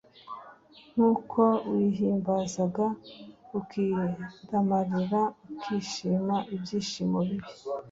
Nk’uko wihimbazaga ukidamararira ukishima ibyishimo bibi,